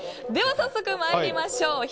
では早速参りましょう。